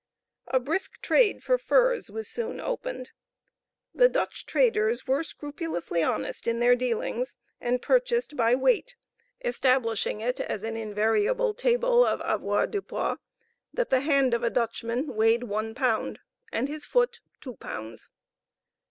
A brisk trade for furs was soon opened. The Dutch traders were scrupulously honest in their dealings, and purchased by weight, establishing it as an invariable table of avoirdupois that the hand of a Dutchman weighed one pound, and his foot two pounds.